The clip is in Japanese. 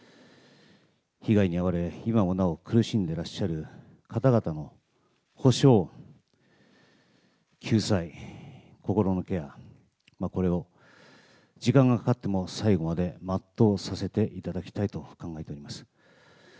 被害に遭われ、今もなお苦しんでいらっしゃる方々の補償、救済、心のケア、これを時間がかかっても最後まで全うさせていただきたいと考えております。